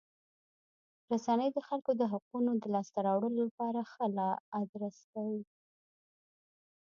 رسنۍ د خلکو د حقوقو د لاسته راوړلو لپاره ښه ادرس دی.